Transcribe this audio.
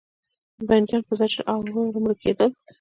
بندیان به په زجر او ورو ورو مړه کېدل.